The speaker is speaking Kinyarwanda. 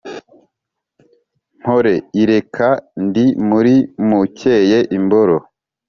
mpore ireka ndi murimukeye lmboro